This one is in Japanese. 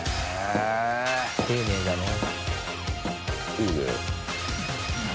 いいね。